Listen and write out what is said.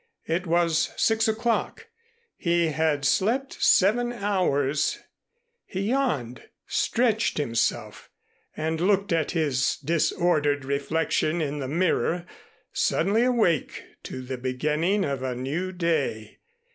It was six o'clock. He had slept seven hours. He yawned, stretched himself and looked at his disordered reflection in the mirror, suddenly awake to the beginning of a new day.